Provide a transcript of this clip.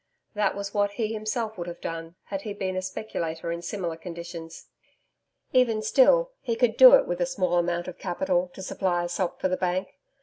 That was what he himself would have done had he been a speculator in similar conditions. Even still, he could do it with a small amount of capital to supply a sop for the Bank....